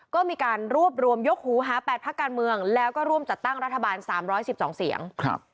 ก็มีการรวบรวมยกหูหา๘พักการเมืองแล้วก็ร่วมจัดตั้งรัฐบาล๓๑๒เสียง